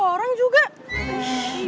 memang jelas tuh